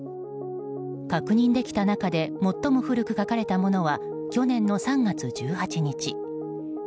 確認できた中で最も古く書かれたものは去年の３月１８日。